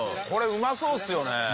これうまそうっすよね。